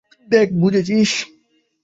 দেখ, বুঝেছিস?